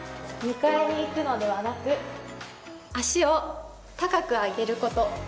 迎えにいくのではなく足を高く上げること。